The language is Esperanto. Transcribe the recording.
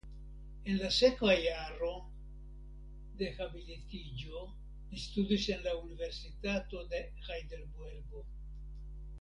En la sekva jaro de habilitiĝo li studis en la Universitato de Hajdelbergo.